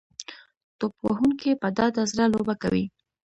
توپ وهونکي په ډاډه زړه لوبه کوي.